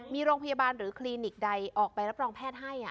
มีโรงพยาบาลหรือคลินิกใดออกไปรับรองแพทย์ให้